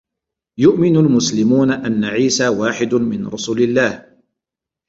يؤمن المسلمون أنّ عيسى واحد من رسل الله.